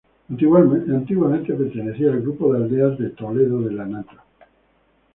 Antiguamente pertenecía al grupo de aldeas de Toledo de Lanata.